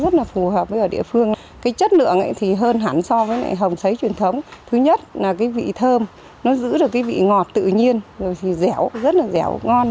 nó giữ được cái vị thơm nó giữ được cái vị ngọt tự nhiên rồi thì dẻo rất là dẻo ngon